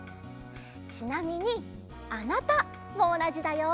ちなみに「あなた」もおなじだよ。